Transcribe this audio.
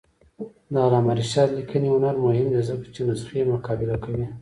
د علامه رشاد لیکنی هنر مهم دی ځکه چې نسخې مقابله کوي.